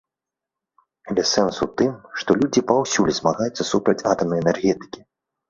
Але сэнс у тым, што людзі паўсюль змагаюцца супраць атамнай энергетыкі.